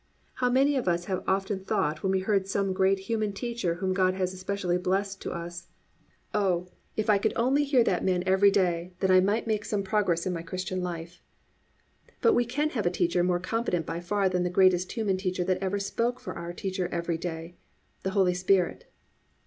How many of us have often thought when we heard some great human teacher whom God has especially blessed to us, "Oh, if I could only hear that man every day, then I might make some progress in my Christian life," but we can have a teacher more competent by far than the greatest human teacher that ever spoke for our teacher every day, the Holy Spirit.